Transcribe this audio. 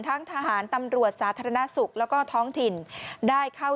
ทั้งทหารตำรวจสาธารณสุขแล้วก็ท้องถิ่นได้เข้า